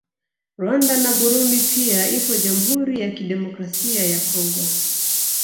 Rwanda na Burundi pia ipo Jamhuri Ya Kidemokrasia ya Congo